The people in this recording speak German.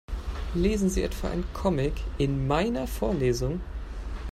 Lesen Sie etwa einen Comic in meiner Vorlesung?